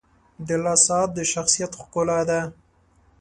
• د لاس ساعت د شخصیت ښکلا ده.